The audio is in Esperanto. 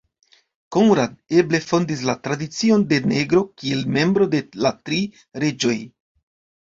Konrad eble fondis la tradicion de negro kiel membro de la Tri Reĝoj.